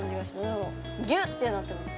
何かギュッてなってます